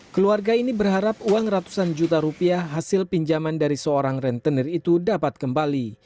keluarga ini berharap uang ratusan juta rupiah hasil pinjaman dari seorang rentenir itu dapat kembali